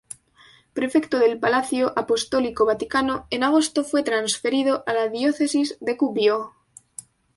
Prefecto del Palacio Apostólico Vaticano, en agosto fue transferido a la diócesis de Gubbio.